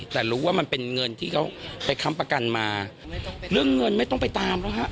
แต่รู้ว่ามันเป็นเงินที่เขาไปค้ำประกันมาเรื่องเงินไม่ต้องไปตามแล้วฮะ